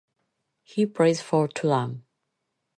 He plays for Turan.